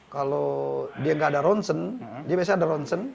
kalau dia nggak ada ronsen dia biasanya ada ronsen